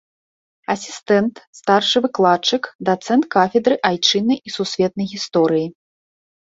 Асістэнт, старшы выкладчык, дацэнт кафедры айчыннай і сусветнай гісторыі.